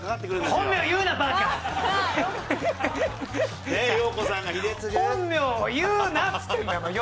本名を言うなっつってんだよ！